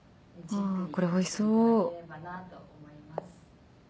あこれおいしそう。